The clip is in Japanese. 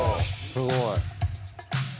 すごい。